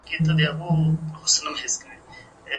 خیر محمد به خپله صافه هره شپه په کور کې وینځله.